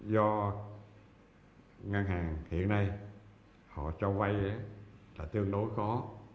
do ngân hàng hiện nay họ cho vay là tương đối có